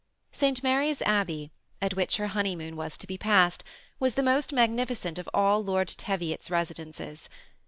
St. Mary's Abbey, at which her honeymoon was to be passed, was the most magnificent of all Lord Teviot's residences.